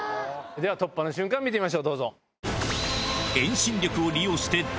では突破の瞬間見てみましょうどうぞ。